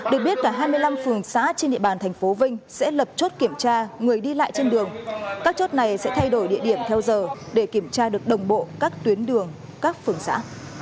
được biết cả hai mươi năm phường xã trên địa bàn thành phố vinh sẽ lập chốt kiểm tra người đi lại trên đường các chốt này sẽ thay đổi địa điểm theo giờ để kiểm tra được đồng bộ các tuyến đường các phường xã